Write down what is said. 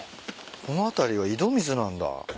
この辺りは井戸水なんだ。